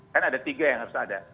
kan ada tiga yang harus ada